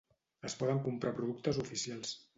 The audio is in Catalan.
es poden comprar productes oficials